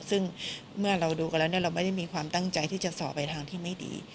ซึ่งเมื่อเราดูกันแล้วเราไม่ได้มีความตั้งใจที่จะสอบไปทางที่ไม่ดี